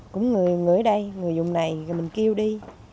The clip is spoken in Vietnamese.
cũng người ở đây người dùng này mình kêu đi